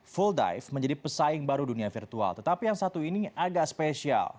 full dive menjadi pesaing baru dunia virtual tetapi yang satu ini agak spesial